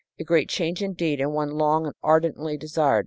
A great change, indeed, and one long and ardently desired.